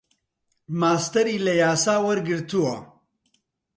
ماستەری لە یاسا وەرگرتووە.